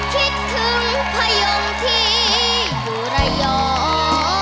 คิดถึงพยงที่อยู่ระยอง